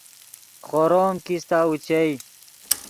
خورو ام کیستہ اوچئے